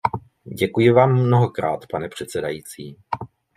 Děkuji vám mnohokrát, pane předsedající.